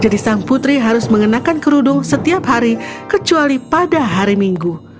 jadi sang putri harus mengenakan kerudung setiap hari kecuali pada hari minggu